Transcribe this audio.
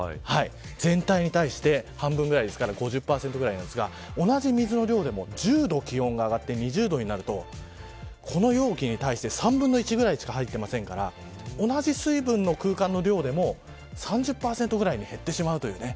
全体に対して半分ぐらいですから５０％なんですが同じ水の量でも１０度気温が上がって２０度になるとこの容器に対して３分の１ぐらいしか入ってませんから同じ成分の空間の量でも３０％ぐらいに減ってしまう。